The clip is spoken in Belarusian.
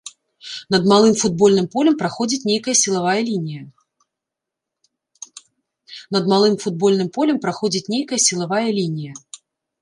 Над малым футбольным полем праходзіць нейкая сілавая лінія.